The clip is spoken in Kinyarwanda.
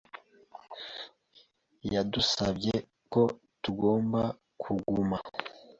Yadusabye ko tugomba kuguma.